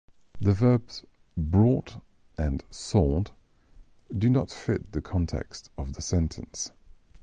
The verbs "brought" and "sold" do not fit the context of the sentence.